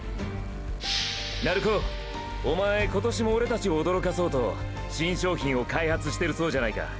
鳴子おまえ今年もオレたちを驚かそうと新商品を開発してるそうじゃないか。